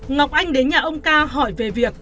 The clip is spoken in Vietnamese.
ngọc anh đến nhà ông ca hỏi về việc